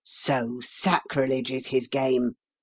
" So sacrilege is his game